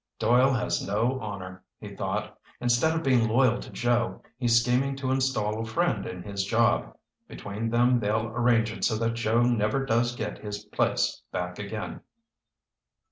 "Doyle has no honor," he thought. "Instead of being loyal to Joe, he's scheming to install a friend in his job. Between them they'll arrange it so that Joe never does get his place back again."